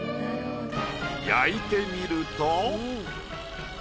焼いてみると。